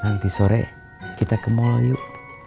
nanti sore kita ke mall yuk